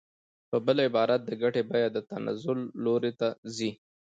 په بل عبارت د ګټې بیه د تنزل لوري ته ځي